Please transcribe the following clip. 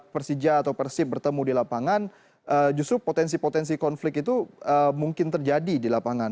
persija atau persib bertemu di lapangan justru potensi potensi konflik itu mungkin terjadi di lapangan